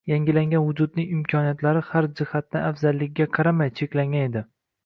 Yangilangan vujudning imkoniyatlari, har jihatdan afzalligiga qaramay, cheklangan edi.